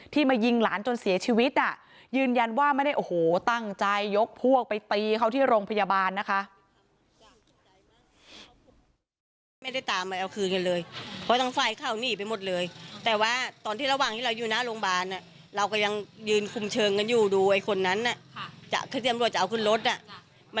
มายิงหลานจนเสียชีวิตยืนยันว่าไม่ได้โอ้โหตั้งใจยกพวกไปตีเขาที่โรงพยาบาลนะคะ